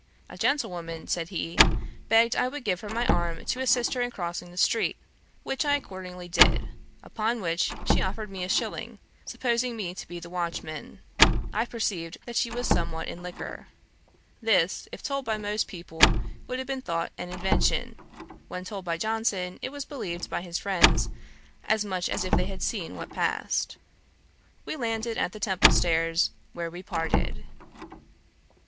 'A gentlewoman (said he) begged I would give her my arm to assist her in crossing the street, which I accordingly did; upon which she offered me a shilling, supposing me to be the watchman. I perceived that she was somewhat in liquor.' This, if told by most people, would have been thought an invention; when told by Johnson, it was believed by his friends as much as if they had seen what passed. We landed at the Temple stairs, where we parted.